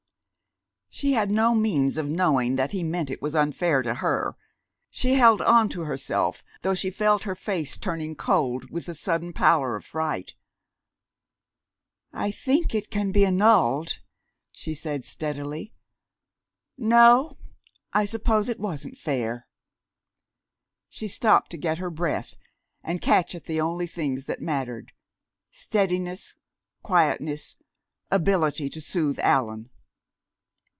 She had no means of knowing that he meant it was unfair to her. She held on to herself, though she felt her face turning cold with the sudden pallor of fright. "I think it can be annulled," she said steadily. "No, I suppose it wasn't fair." She stopped to get her breath and catch at the only things that mattered steadiness, quietness, ability to soothe Allan!